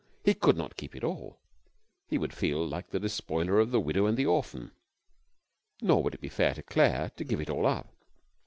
He could not keep it all. He would feel like the despoiler of the widow and the orphan. Nor would it be fair to Claire to give it all up.